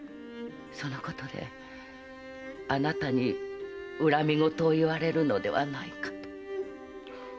そのことであなたに恨み言を言われるのではないかと。